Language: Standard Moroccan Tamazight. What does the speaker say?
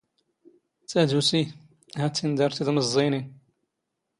ⵜⴰⴷⵓⵙⵉ, ⵀⴰ ⵜⵜ ⵉⵏⵏ ⴷⴰⵔ ⵜⵉⴷ ⵎⵥⵥⵉⵢⵏⵉⵏ.